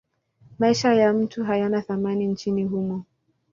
Maisha ya mtu hayana thamani nchini humo.